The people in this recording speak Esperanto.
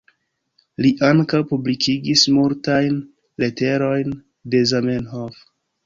Li ankaŭ publikigis multajn leterojn de Zamenhof.